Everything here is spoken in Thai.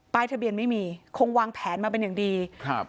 ทะเบียนไม่มีคงวางแผนมาเป็นอย่างดีครับ